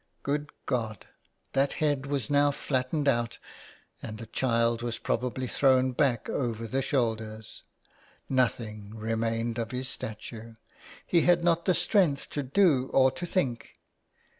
Good God ! that head was now flattened out, and the child was probably thrown back over the shoulders. Nothing remained of his statue. He had not the strength to do or to think.